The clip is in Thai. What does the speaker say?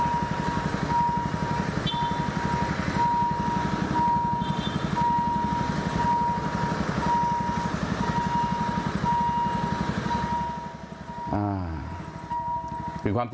โรงพยาบาล